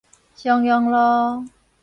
襄陽路